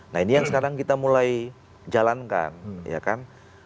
nah ini yang sekarang kita mulai jalankan